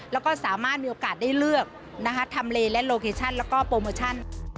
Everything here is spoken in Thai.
แล้วก็สามารถมีโอกาสได้เลือกทำเลและโลเคชั่นแล้วก็โปรโมชั่น